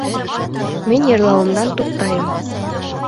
Мин йырлауымдан туҡтайым.